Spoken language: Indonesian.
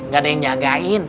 ga ada yang jagain